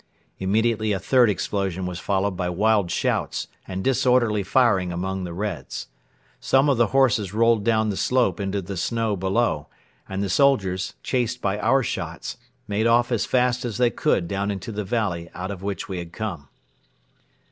Immediately a third explosion was followed by wild shouts and disorderly firing among the Reds. Some of the horses rolled down the slope into the snow below and the soldiers, chased by our shots, made off as fast as they could down into the valley out of which we had come.